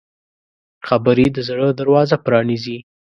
خبرې د زړه دروازه پرانیزي